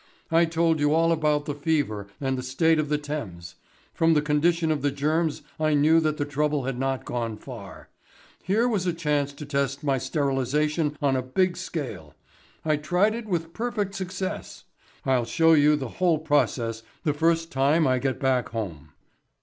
I told you all about the fever and the state of the Thames. From the condition of the germs I knew that the trouble had not gone far. Here was a chance to test my sterilisation on a big scale. I tried it with perfect success. I'll show you the whole process the first time I get back home."